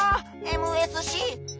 ＭＳＣ！